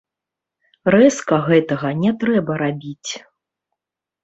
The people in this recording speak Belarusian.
Рэзка гэтага не трэба рабіць.